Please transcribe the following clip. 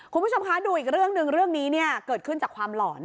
คุณผู้ชมคะดูอีกเรื่องหนึ่งเรื่องนี้เนี่ยเกิดขึ้นจากความหลอน